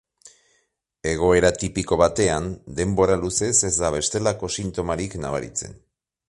Egoera tipiko batean, denbora luzez ez da bestelako sintomarik nabaritzen.